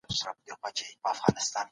که تاسي اهداف ونه لرئ، پلان نه سي جوړېدای.